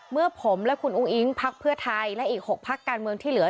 เมื่อผมและคุณอุ้งอิ๊งพักเพื่อไทยและอีก๖พักการเมืองที่เหลือ